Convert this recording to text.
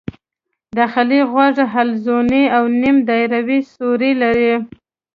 داخلي غوږ حلزوني او نیم دایروي سوري لري.